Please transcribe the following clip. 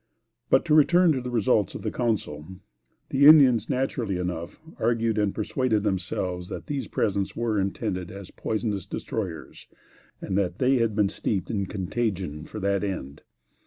But to return to results of the council. The Indians naturally enough, argued and persuaded themselves that these presents were intended as poisonous destroyers, and that they had been steeped in contagion for that end.